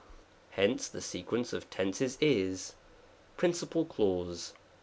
Hence the sequence of tenses is : PRINCIPAL CLAUSE.